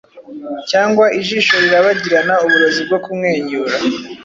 Cyangwa Ijisho rirabagirana uburozi bwo kumwenyura?